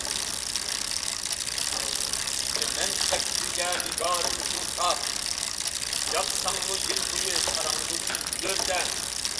يېتىمەن تەكتىگە نىگارىم شۇ تاپ، ياتساڭمۇ يىل بويى قاراڭغۇ گۆردە.